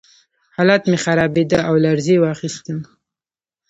حالت مې خرابېده او لړزې واخیستم